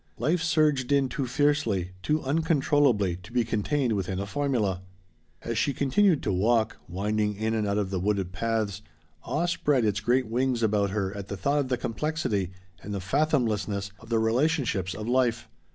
Life surged in too fiercely too uncontrollably to be contained within a formula. As she continued her walk, winding in and out of the wooded paths, awe spread its great wings about her at thought of the complexity and the fathomlessness of the relationships of life.